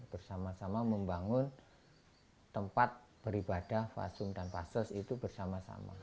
bersama sama membangun tempat beribadah fasum dan fasos itu bersama sama